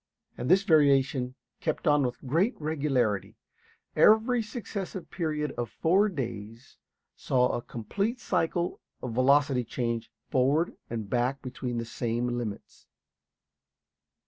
And this variation kept on with great regularity. Every successive period of four days saw a complete cycle of velocity change forward and back between the same limits.